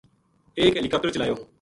ایک ہیلی کاپٹر چلایو